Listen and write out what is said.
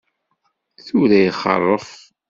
Tura ixeṛṛef.